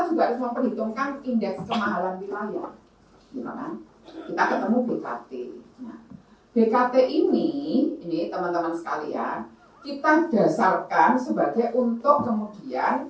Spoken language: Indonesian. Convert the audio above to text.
sampai jumpa di video selanjutnya